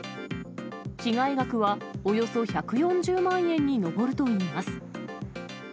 被害額はおよそ１４０万円に上るといいます。